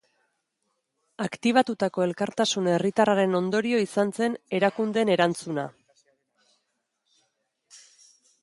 Aktibatutako elkartasun herritarraren ondorio izan zen erakundeen erantzuna.